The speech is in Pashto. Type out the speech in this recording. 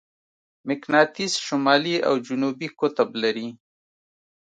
مقناطیس شمالي او جنوبي قطب لري.